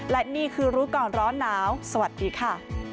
และนี่คือรู้ก่อนร้อนหนาวสวัสดีค่ะ